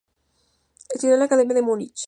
Estudió en la Academia de Múnich.